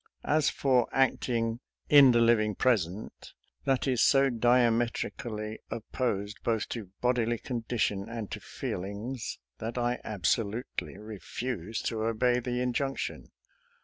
As for acting " in the living present," that is so dia metrically opposed both to bodily condition and to feelings that I absolutely refuse to obey the injunction.